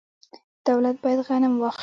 دولت باید غنم واخلي.